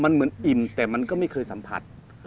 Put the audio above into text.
มันเหมือนอิ่มแต่มันก็ไม่เคยสัมผัส